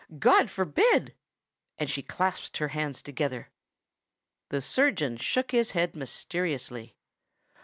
God forbid!" And she clasped her hands together. The surgeon shook his head mysteriously.